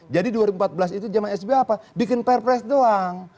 jadi dua ribu empat belas itu zaman sbi apa bikin perpres doang